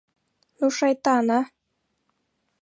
Ну, шайтан, а!